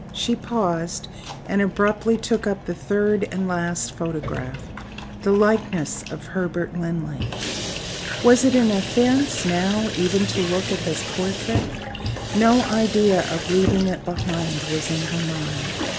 She paused, and abruptly took up the third and last photograph the likeness of Herbert Linley. Was it an offense, now, even to look at his portrait? No idea of leaving it behind her was in her mind.